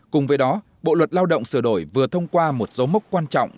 cùng với đó bộ luật lao động sửa đổi vừa thông qua một dấu mốc quan trọng